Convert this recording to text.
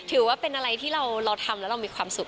ถือว่าเป็นอะไรที่เราทำแล้วเรามีความสุข